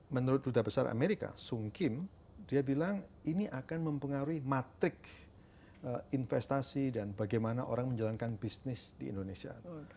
menurut duta besar amerika sung kim dia bilang ini akan mempengaruhi matrik investasi dan bagaimana orang menjalankan bisnis di indonesia